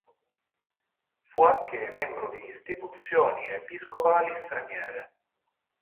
Fu anche membro di istituzioni episcopali straniere.